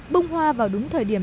bung hoa vào đúng thời điểm